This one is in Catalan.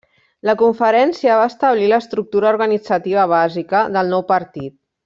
La conferència va establir l’estructura organitzativa bàsica del nou partit.